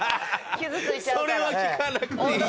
「それは聞かなくていい」。